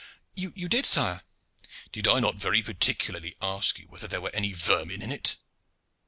"You did, sire." "Did I not very particularly ask you whether there were any vermin in it?"